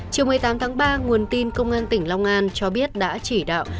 chiều một mươi tám tháng ba nguồn tin công an tỉnh long an cho biết đã chỉ đạo